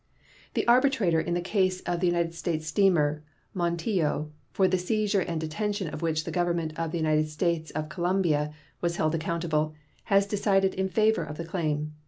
The arbitrator in the case of the United States steamer Montijo, for the seizure and detention of which the Government of the United States of Colombia was held accountable, has decided in favor of the claim.